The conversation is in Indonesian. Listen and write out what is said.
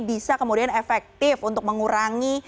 bisa kemudian efektif untuk mengurangi